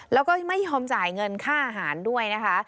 แล้วก็ไม่ยอมจ่ายเงินค่าอาหารด้วยนะคะ